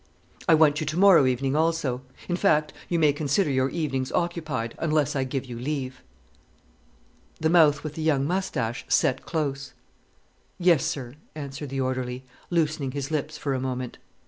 "I want you tomorrow evening also—in fact, you may consider your evenings occupied, unless I give you leave." The mouth with the young moustache set close. "Yes, sir," answered the orderly, loosening his lips for a moment.